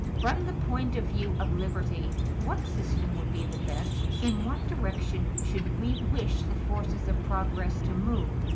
From the point of view of liberty, what system would be the best? In what direction should we wish the forces of progress to move?